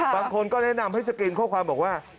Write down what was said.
บางคนก็แนะนำให้สกรีนข้อความบอกว่า